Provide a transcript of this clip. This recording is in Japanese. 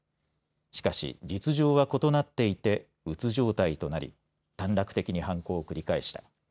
しかし実情は異なっていてうつ状態となり短絡的に犯行を繰り返した。